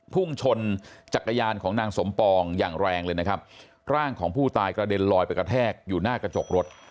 พุ่งชนจักรยานของนางสมปองอย่างแรงเลยนะครับร่างของผู้ตายกระเด็นลอยไปกระแทกอยู่หน้ากระจกรถ